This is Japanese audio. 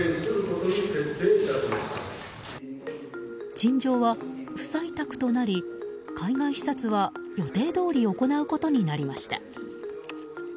陳情は不採択となり海外視察は予定どおり行うことになりました。